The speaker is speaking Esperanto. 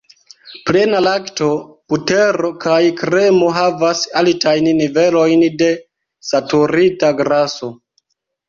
Plena lakto, butero kaj kremo havas altajn nivelojn de saturita graso.